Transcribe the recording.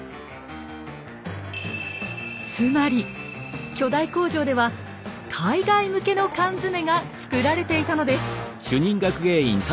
つまり巨大工場では海外向けの缶詰が作られていたのです。